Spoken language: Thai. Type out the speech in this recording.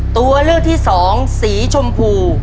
ตัวเลือกที่สองสีชมพู